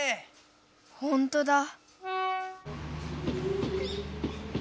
ほんとだ。